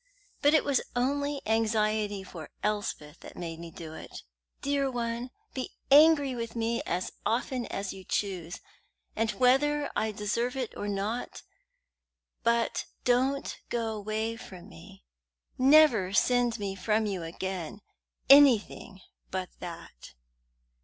But it was only anxiety for Elspeth that made me do it. Dear one, be angry with me as often as you choose, and whether I deserve it or not; but don't go away from me; never send me from you again. Anything but that."